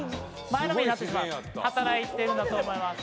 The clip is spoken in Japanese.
前のめりになってしまう働いてるんだと思います。